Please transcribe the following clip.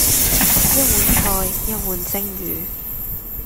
一碗菜，一碗蒸魚；